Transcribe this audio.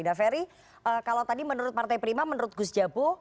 daveri kalau tadi menurut partai prima menurut gus jabo